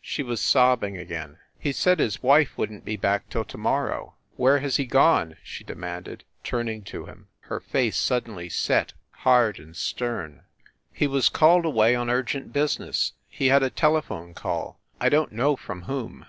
She was sobbing again. "He said his wife wouldn t be back till to mor row." "Where has he gone?" she demanded, turning to him, her face suddenly set, hard and stern. 124 FIND THE WOMAN "He was called away on urgent business. He had a telephone call. I don t know from whom."